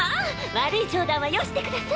悪い冗談はよしてください。